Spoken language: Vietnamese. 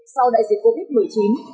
sau đại dịch covid một mươi chín